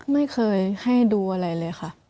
ไม่เคยให้ดูอะไรเลยค่ะ